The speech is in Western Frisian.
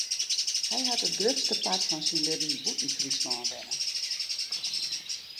Hy hat it grutste part fan syn libben bûten Fryslân wenne.